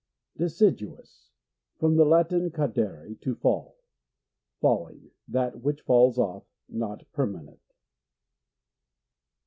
Deciduous. — From the Latin, cadere, to fall. Falling, that which falls off — not permanent.